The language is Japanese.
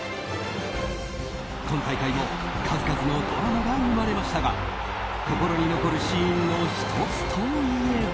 今大会も数々のドラマが生まれましたが心に残るシーンの１つといえば。